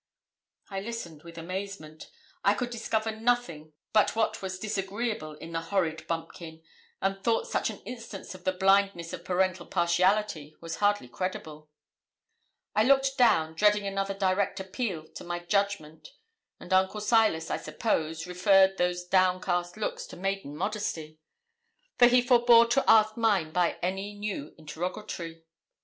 I listened with amazement. I could discover nothing but what was disagreeable in the horrid bumpkin, and thought such an instance of the blindness of parental partiality was hardly credible. I looked down, dreading another direct appeal to my judgment; and Uncle Silas, I suppose, referred those downcast looks to maiden modesty, for he forbore to task mine by any new interrogatory.